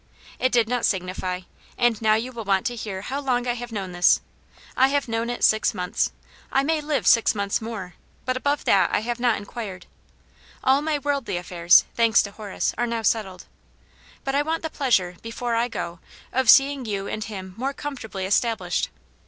" It did not signify. And now you will want to 4iear how long I have known this. I have known it six months. I may live six months more, but about that I have not inquired. All my worldly affairs, thanks to Horace, are now settled. But I want the pleasure, before I go, of seeing you and him more comfortably established.